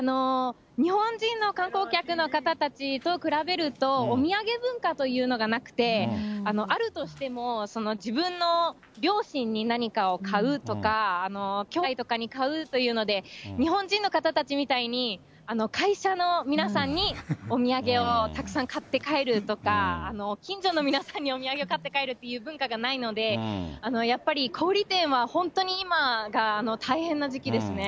日本人の観光客の方たちと比べると、お土産文化というものがなくて、あるとしても、自分の両親に何かを買うとか、きょうだいとかに買うというので、日本人の方たちみたいに、会社の皆さんにお土産をたくさん買って帰るとか、近所の皆さんにおみやげを買って帰るという文化がないので、やっぱり小売り店は本当に今が大変な時期ですね。